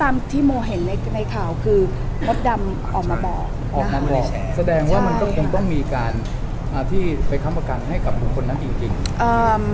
อ่าที่ไปคำประกันให้กับผู้คนนั้นจริงจริงอ่าโมงไม่ทราบจริงจริงค่ะ